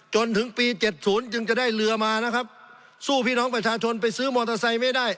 จนถึงปีเจ็ดศูนย์จึงจะได้เรือมานะครับสู้พี่น้องประชาชนไปซื้อมอเตอร์ไซค์ไม่ได้